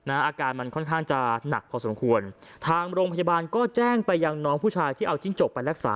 อาการมันค่อนข้างจะหนักพอสมควรทางโรงพยาบาลก็แจ้งไปยังน้องผู้ชายที่เอาจิ้งจกไปรักษา